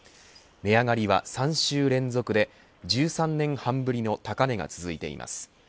値上がりは３週連続で１３年半ぶりの高値が続いています。